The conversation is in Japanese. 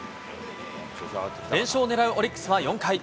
連勝をねらうオリックスは４回。